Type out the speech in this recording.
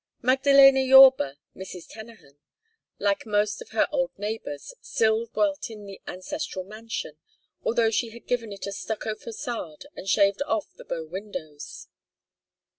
Magdaléna Yorba Mrs. Trennahan like most of her old neighbors, still dwelt in the ancestral mansion, although she had given it a stucco façade and shaved off the bow windows.